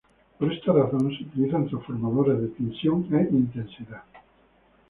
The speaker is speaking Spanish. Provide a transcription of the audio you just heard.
Por esta razón, se utilizan transformadores de tensión e intensidad.